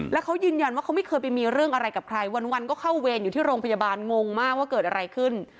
แล้วเขายืนยันว่าเขาไม่เคยไปมีเรื่องอะไรกับใครวันก็เข้าเวรอยู่ที่โรงพยาบาลงงมากว่าเกิดอะไรขึ้น